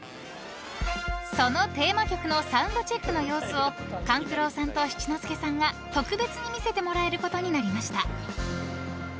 ［そのテーマ曲のサウンドチェックの様子を勘九郎さんと七之助さんが特別に見せてもらえることになりました］